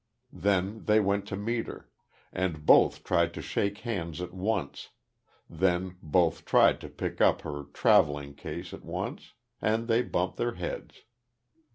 Then they went to meet her; and both tried to shake hands at once; then both tried to pick up her travelling case at once; and they bumped their heads.